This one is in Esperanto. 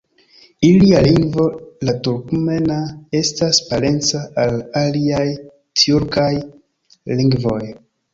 Ilia lingvo, la turkmena, estas parenca al aliaj tjurkaj lingvoj.